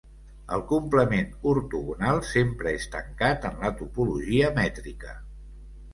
El complement ortogonal sempre és tancat en la topologia mètrica.